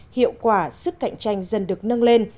hiệu quả sức cạnh tranh dần được nâng lên